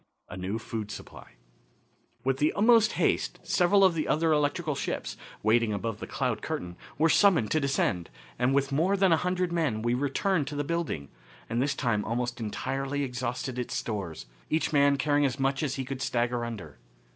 A New Food Supply. With the utmost haste several of the other electrical ships, waiting above the cloud curtain, were summoned to descend, and, with more than a hundred men, we returned to the building, and this time almost entirely exhausted its stores, each man carrying as much as he could stagger under.